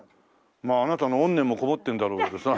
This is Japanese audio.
まああなたの怨念もこもってるんだろうけどさ。